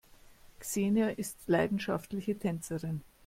Xenia ist leidenschaftliche Tänzerin.